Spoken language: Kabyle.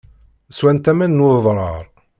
Swant aman n wedrar.